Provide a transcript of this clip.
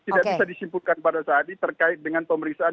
tidak bisa disimpulkan pada saat ini terkait dengan pemeriksaan